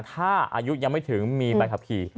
ถ้าอายุยังไม่ถึงมีใบขับขี่